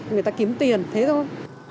người ta kiếm tiền thế thôi